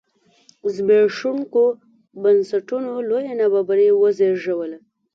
زبېښوونکو بنسټونو لویه نابرابري وزېږوله.